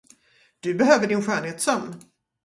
Du behöver din skönhetssömn.